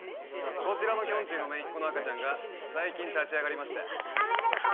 こちらのきょんちぃのめいっ子の赤ちゃんが最近立ち上がりましたおめでとう！